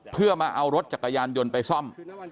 เพื่อมาเอารถจักรยานยนต์ไปซ่อม